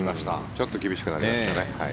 ちょっと厳しくなりましたね。